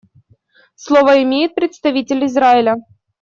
Слово имеет представитель Израиля.